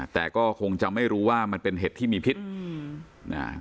แต่ก็คงจะไม่รู้ว่ามันเป็นเห็ดที่มีพิษอืมอ่า